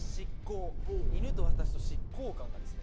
犬と私と執行官』がですね